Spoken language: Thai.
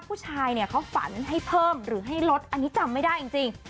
ผู้ชายเนี่ยเขาฝันให้เพิ่มหรือให้ลดอันนี้จำไม่ได้จริง